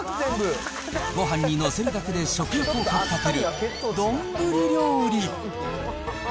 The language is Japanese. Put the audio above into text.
ごはんに載せるだけで食欲をかきたてる丼料理。